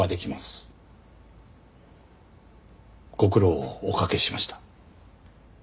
ご苦労をおかけしました。